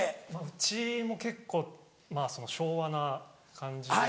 うちも結構昭和な感じで。